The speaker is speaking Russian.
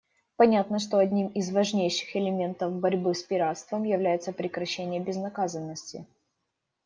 Понятно, что одним из важнейших элементов борьбы с пиратством является прекращение безнаказанности.